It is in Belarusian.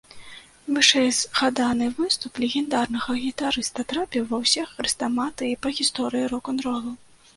Вышэйзгаданы выступ легендарнага гітарыста трапіў ва ўсе хрэстаматыі па гісторыі рок-н-ролу.